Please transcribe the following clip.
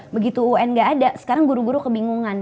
begitu un nggak ada sekarang guru guru kebingungan